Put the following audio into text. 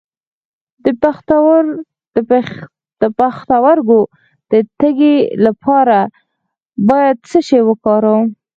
د پښتورګو د تیږې لپاره باید څه شی وکاروم؟